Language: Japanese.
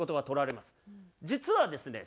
実はですね